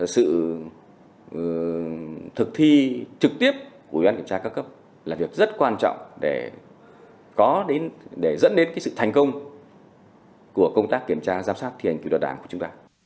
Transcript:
sự thực thi trực tiếp của ủy ban kiểm tra các cấp là việc rất quan trọng để có dẫn đến sự thành công của công tác kiểm tra giám sát thi hành kỳ luật đảng của chúng ta